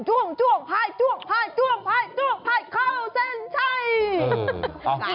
ให้เข้าเส้นชัย